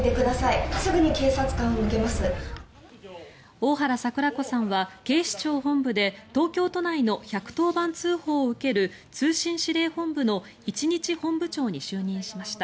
大原櫻子さんは警視庁本部で東京都内の１１０番通報を受ける通信指令本部の一日本部長に就任しました。